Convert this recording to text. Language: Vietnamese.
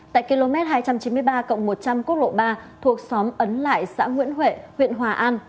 tại km hai trăm chín mươi ba một trăm linh quốc lộ ba thuộc xóm ấn lại xã nguyễn huệ huyện hòa an